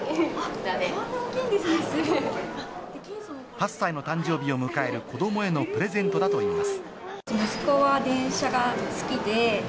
８歳の誕生日を迎える子どもへのプレゼントだといいます。